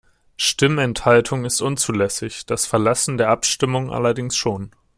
Stimmenthaltung ist unzulässig, das Verlassen der Abstimmung allerdings schon.